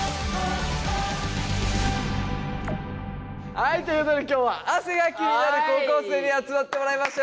はいということで今日は汗が気になる高校生に集まってもらいました。